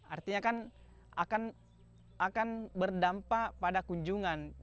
artinya kan akan berdampak pada kunjungan